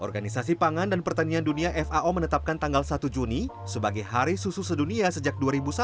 organisasi pangan dan pertanian dunia fao menetapkan tanggal satu juni sebagai hari susu sedunia sejak dua ribu satu